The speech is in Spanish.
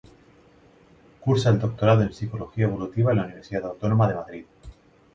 Cursa el doctorado en Psicología Evolutiva en la Universidad Autónoma de Madrid.